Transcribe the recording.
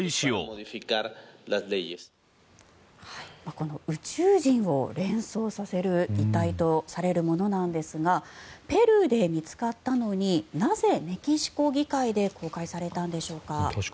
この宇宙人を連想させる遺体とされるものなんですがペルーで見つかったのになぜ、メキシコ議会で確かに。